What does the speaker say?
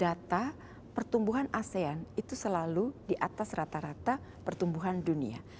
data pertumbuhan asean itu selalu di atas rata rata pertumbuhan dunia